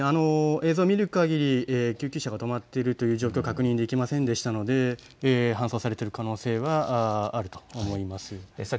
映像を見るかぎり救急車が止まっているという状況確認できませんでしたので搬送されている可能性があると思います。